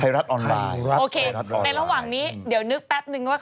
ช่วงหน้านึงว่าใครน่ะช่วงหน้าไม่ต้องดึงหรอก